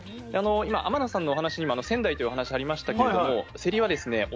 今天野さんのお話にも仙台というお話ありましたけれどもせりはですね